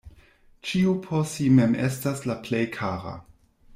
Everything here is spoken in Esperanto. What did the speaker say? Ĉiu por si mem estas la plej kara.